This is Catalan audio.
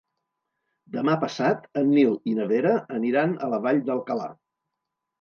Demà passat en Nil i na Vera aniran a la Vall d'Alcalà.